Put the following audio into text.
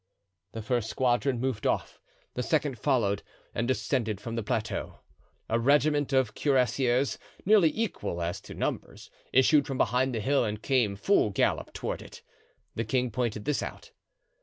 The first squadron moved off; the second followed, and descended from the plateau. A regiment of cuirassiers, nearly equal as to numbers, issued from behind the hill and came full gallop toward it. The king pointed this out.